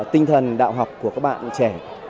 tinh thần đạo học của các bạn trẻ